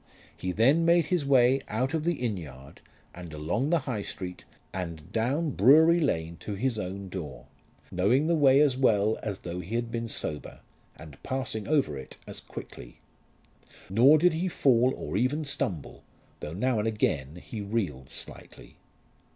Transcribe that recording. He then made his way out of the inn yard, and along the High Street, and down Brewery Lane to his own door, knowing the way as well as though he had been sober, and passing over it as quickly. Nor did he fall or even stumble, though now and again he reeled slightly.